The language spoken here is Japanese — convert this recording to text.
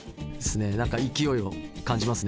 何か勢いを感じますね。